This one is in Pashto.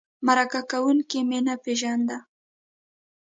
مرکه کوونکی مې نه پېژنده.